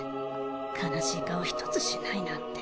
悲しい顔一つしないなんて。